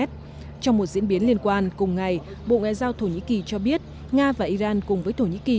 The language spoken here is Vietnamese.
trong một diễn biến liên quan cùng ngày bộ ngoại giao thổ nhĩ kỳ cho biết nga và iran cùng với thổ nhĩ kỳ